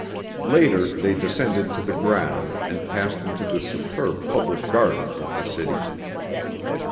Later they descended to the ground and passed into the superb public gardens of the city.